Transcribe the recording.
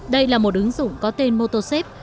đây là một ứng dụng có tên motosave